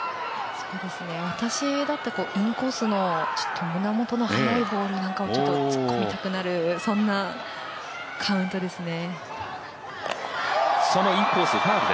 私だったらインコースの胸元の速いボールなんかをちょっと突っ込みたくなるカウントですね。